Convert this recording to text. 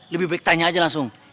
lebih baik tanya aja langsung